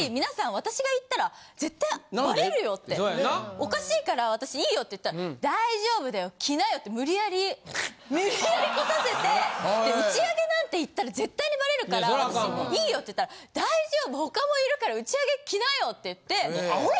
おかしいから私いいよって言ったら大丈夫だよ来なよって無理矢理無理矢理来させて。で打ち上げなんて行ったら絶対にバレるから私いいよって言ったら大丈夫他もいるから打ち上げ来なよって言って。